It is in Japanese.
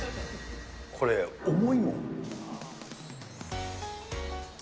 これ、重いもん。